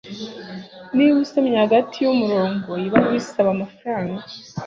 niba usomye hagati yumurongo, iyi baruwa isaba amafaranga